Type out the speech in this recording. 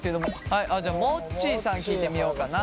はいじゃあもっちーさん聞いてみようかな。